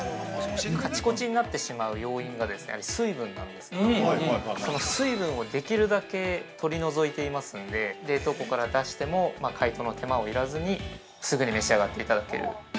◆カチコチになってしまう要因が水分なんですけど、その水分をできるだけ取り除いていますので冷凍庫から出しても解凍の手間が要らずにすぐに召し上がっていただける。